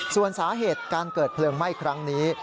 ส่วนสาเหตุการเกิดเพลิงไหม้ครั้งนี้